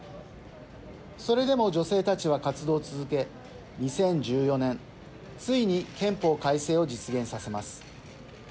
それでも女性たちは活動を続け２０１４年ついに憲法改正を実現させます。